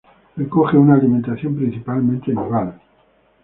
Recoge una alimentación principalmente nival.